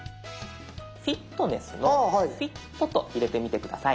フィットネスの「フィット」と入れてみて下さい。